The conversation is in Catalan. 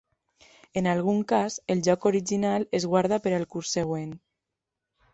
En algun cas el joc original es guarda per al curs següent.